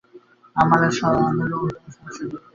আর সাথে হজমেরও সমস্যা হয়।